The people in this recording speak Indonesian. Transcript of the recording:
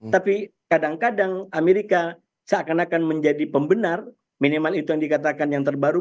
tapi kadang kadang amerika seakan akan menjadi pembenar minimal itu yang dikatakan yang terbaru